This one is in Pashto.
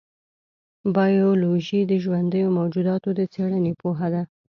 بایولوژي د ژوندیو موجوداتو د څېړنې پوهه ده.